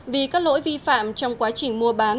vì các lỗi vi phạm trong quá trình mua bán